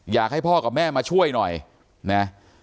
อยากให้พ่อกับแม่มาช่วยหน่อยนะ